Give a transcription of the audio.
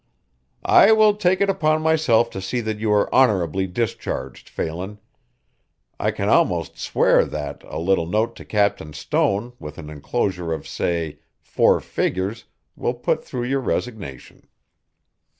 "I will take it upon myself to see that you are honorably discharged, Phelan. I can almost swear that a little note to Captain Stone with an inclosure of say four figures will put through your resignation."